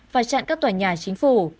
và chặn các tòa nhà chính phủ